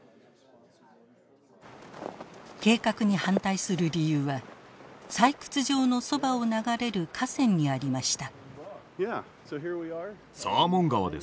計画に反対する理由は採掘場のそばを流れる河川にありました。